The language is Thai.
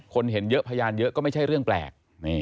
เห็นเยอะพยานเยอะก็ไม่ใช่เรื่องแปลก